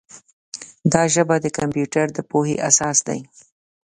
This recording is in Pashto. دا ژبه د کمپیوټر د پوهې اساس دی.